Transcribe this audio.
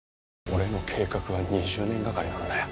俺の計画は２０年がかりなんだよ。